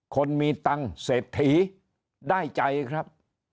คนมีตังค์เศรษฐีได้ใจครับ